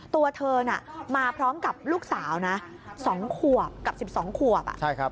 ตัวเธอน่ะมาพร้อมกับลูกสาวนะ๒ขวบกับ๑๒ขวบ